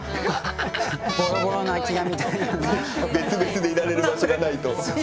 別々でいられる場所がないと。